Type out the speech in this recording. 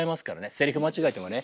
セリフ間違えてもね